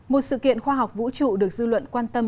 một sự kiện khoa học vũ trụ được dư luận quan tâm